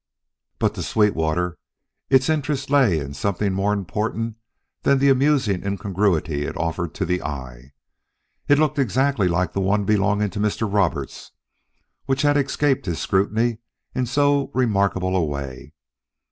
But to Sweetwater its interest lay in something more important than the amusing incongruity it offered to the eye. It looked exactly like the one belonging to Mr. Roberts which had escaped his scrutiny in so remarkable a way.